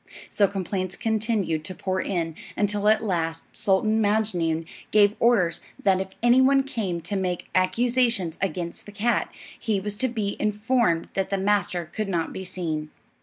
So complaints continued to pour in, until at last Sultan Maajnoon gave orders that if any one came to make accusations against the cat, he was to be informed that the master could not be seen.